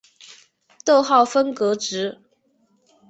逗号分隔值。